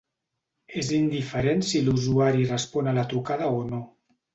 És indiferent si l’usuari respon a la trucada o no.